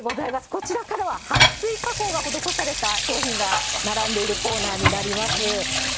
こちらからは撥水加工が施された商品が並んでいるコーナーになります。